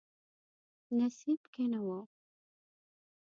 نصیب کې نه و.